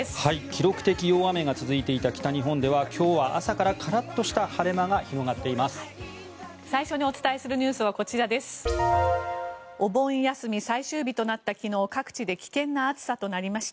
記録的大雨が続いていた北日本では今日は朝からカラッとした晴れ間が広がっています。